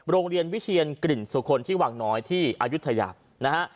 โรงเรียนวิเชียนกลิ่นสุคลที่วังน้อยที่อายุทยานะฮะ